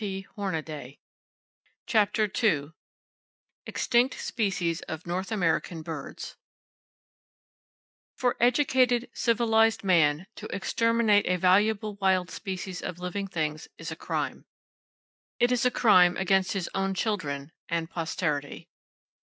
[Page 7] CHAPTER II EXTINCT SPECIES OF NORTH AMERICAN BIRDS For educated, civilized Man to exterminate a valuable wild species of living things is a crime. It is a crime against his own children, and posterity.